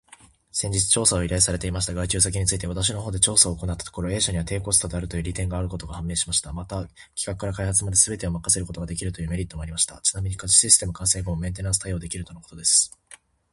先日調査を依頼されていました外注先について、私の方で調査を行ったところ、A 社には低コストであるという利点があることが判明しました。また、企画から開発まですべてを任せることができるというメリットもありました。ちなみにシステム完成後もメンテナンス対応できるとのことです。